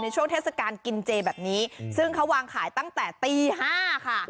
ช่วงเทศกาลกินเจแบบนี้ซึ่งเขาวางขายตั้งแต่ตี๕ค่ะ